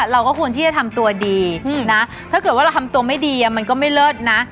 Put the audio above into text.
เราก็ควรที่จะทำตัวดีนะถ้าเกิดว่าเราทำตัวไม่ดีมันก็ไม่เลิศนะ